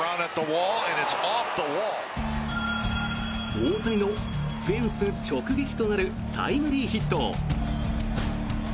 大谷のフェンス直撃となるタイムリーヒット。